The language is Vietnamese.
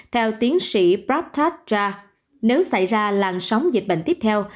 theo tiến sĩ prabhat jha nếu xảy ra làn sóng dịch bệnh tiếp theo